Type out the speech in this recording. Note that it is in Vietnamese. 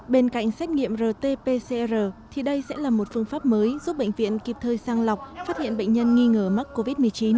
bên cạnh xét nghiệm rt pcr thì đây sẽ là một phương pháp mới giúp bệnh viện kịp thời sang lọc phát hiện bệnh nhân nghi ngờ mắc covid một mươi chín